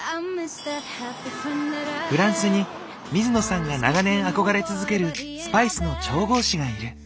フランスに水野さんが長年憧れ続けるスパイスの調合師がいる。